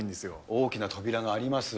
大きな扉があります。